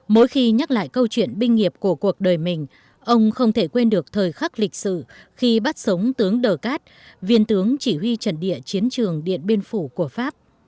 mỗi khi nhắc lại câu chuyện binh nghiệp của cuộc đời mình ông không thể quên được thời khắc lịch sự khi bắt sống tướng đờ cát viên tướng chỉ huy trận địa chiến trường điện biên phủ của pháp